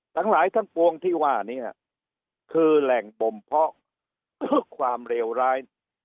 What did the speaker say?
หลังหลายท่านปวงที่ว่านี่คือแหล่งบมเพราะความเลวร้าย